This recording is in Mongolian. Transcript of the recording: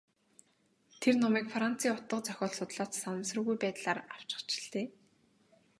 Тэр номыг Францын утга зохиол судлаач санамсаргүй байдлаар авчхаж л дээ.